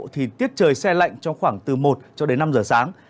thì tiết trời xe lạnh trong khoảng từ một cho đến năm giờ sáng